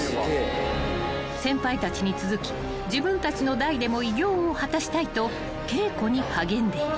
［先輩たちに続き自分たちの代でも偉業を果たしたいと稽古に励んでいる］